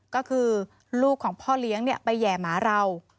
ก็คือลูกของพ่อเลี้ยงไปแห่หมาเรา